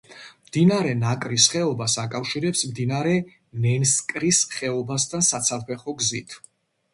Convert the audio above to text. მდინარე ნაკრის ხეობას აკავშირებს მდინარე ნენსკრის ხეობასთან საცალფეხო გზით.